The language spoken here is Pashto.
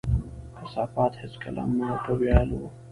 کثافات هيڅکله مه په ويالو،